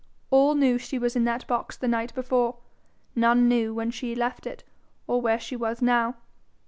All knew she was in that box the night before; none knew when she left it or where she was now.